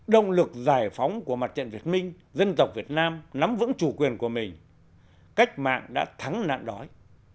động lực giải phóng của mặt trận việt minh dân tộc việt nam nắm vững chủ quyền của mình cách mạng đã thắng nạn đói